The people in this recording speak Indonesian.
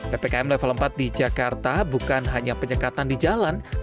ppkm level empat di jakarta bukan hanya penyekatan di jalan